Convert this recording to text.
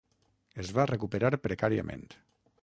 Es va recuperar precàriament.